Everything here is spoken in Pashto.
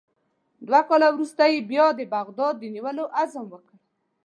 دوه کاله وروسته یې بیا د بغداد د نیولو عزم وکړ.